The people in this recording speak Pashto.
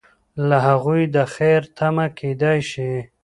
له هغوی د خیر تمه کیدای شي.